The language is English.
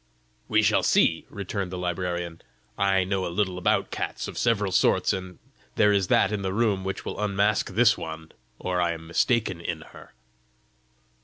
"We shall see!" returned the librarian. "I know a little about cats of several sorts, and there is that in the room which will unmask this one, or I am mistaken in her."